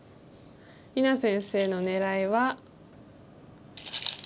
里菜先生の狙いは。